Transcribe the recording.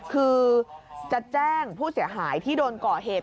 คือจะแจ้งผู้เสียหายที่โดนก่อเหตุ